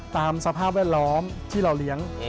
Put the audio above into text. สภาพแวดล้อมที่เราเลี้ยง